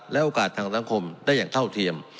และโอกาสทางสังคมได้อย่างเท่าเทียม